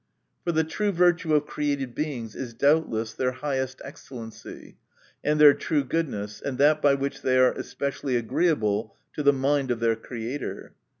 For the true virtue of created Beings is doubt less their highest excellency, and their true goodness, and that by which they are especially agreeable to the mind of their Creator.